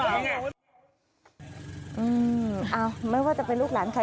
เอาไม่ว่าจะเป็นลูกหลานใคร